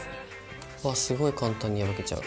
わっすごい簡単に破けちゃう。